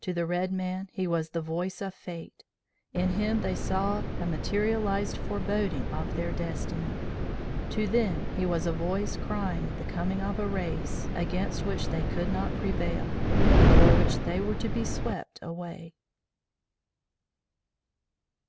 To the red man he was the voice of fate. In him they saw a materialized foreboding of their destiny. To them he was a voice crying the coming of a race against which they could not prevail; before which they were to be swept away.